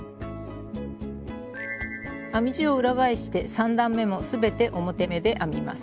編み地を裏返して３段めも全て表目で編みます。